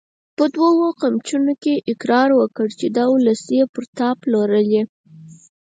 په دوو قمچينو يې اقرار وکړ چې دا وسلې يې پر تا پلورلې!